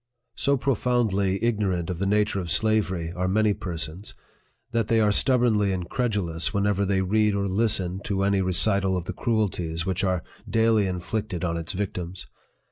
So profoundly ignorant of the nature of slavery are many persons, that they are stubbornly incredulous whenever they read or listen to any recital of the cruelties which are daily inflicted on its victims.